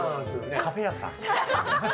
カフェ屋さん？